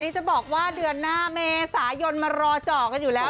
จะบอกว่าเดือนหน้าเมษายนมารอเจาะกันอยู่แล้ว